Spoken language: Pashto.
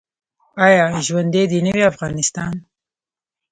آیا ژوندی دې نه وي افغانستان؟